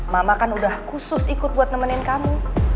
mama kan udah khusus ikut buat nemenin kamu